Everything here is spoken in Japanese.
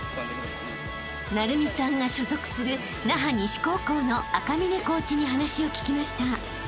［晟弓さんが所属する那覇西高校の赤嶺コーチに話を聞きました］